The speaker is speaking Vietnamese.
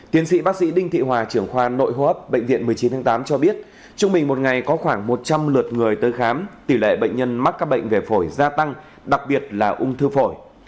tiến sĩ bác sĩ đinh thị hòa trưởng khoa nội hô hấp bệnh viện một mươi chín tháng tám cho biết trung bình một ngày có khoảng một trăm linh lượt người tới khám tỷ lệ bệnh nhân mắc các bệnh về phổi gia tăng đặc biệt là ung thư phổi